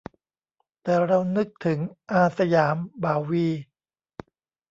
แต่เรานึกถึง "อาร์.สยาม" บ่าววี